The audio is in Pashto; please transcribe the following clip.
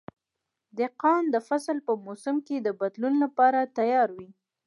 دهقان د فصل په موسم کې د بدلون لپاره تیار وي.